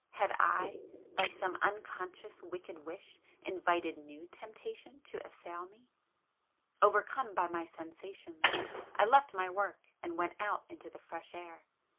—had I, by some unconscious wicked wish invited new temptation to assail me? Overcome by my sensations, I left my work and went out into the fresh air